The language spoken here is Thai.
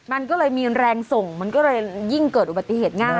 มันก็เลยมีแรงส่งมันก็เลยยิ่งเกิดอุบัติเหตุง่าย